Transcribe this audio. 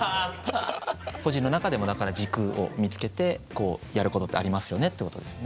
個人の中でもだから軸を見つけてこうやることってありますよねってことですよね。